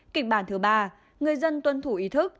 kịch bản thứ ba người dân tuân thủ ý thức